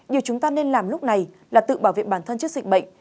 điều chúng ta nên làm lúc này là tự bảo vệ bản thân trước dịch bệnh